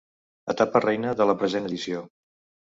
Etapa reina de la present edició.